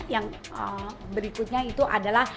yang berikutnya itu adalah